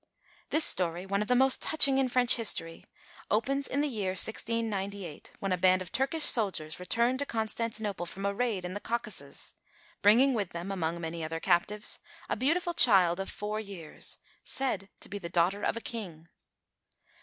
This story, one of the most touching in French history, opens in the year 1698, when a band of Turkish soldiers returned to Constantinople from a raid in the Caucasus, bringing with them, among many other captives, a beautiful child of four years, said to be the daughter of a King.